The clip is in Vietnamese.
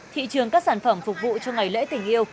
thị trường các sản phẩm phục vụ cho ngày lễ tình yêu